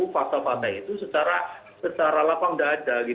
fakta fakta itu secara lapang tidak ada